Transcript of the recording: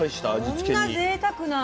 こんなぜいたくな。